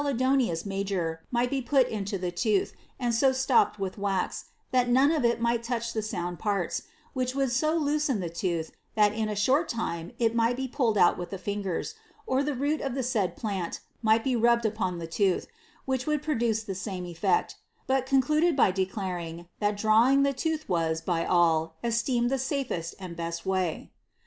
idonius major' might be put into the tooth, and so slopped with wax, that none of it might touch the sound parts, which would so loosen the tooth, that in a short time it might be pulled out with the fingers, or the root of the said plant might be rubbed upon the tooth, which would produce the same effect, but concluded by declaring, thai drawing the tooth was, by all. esteemed the safest and best way."